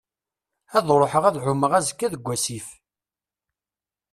Ad ruḥeɣ ad εummeɣ azekka deg wasif.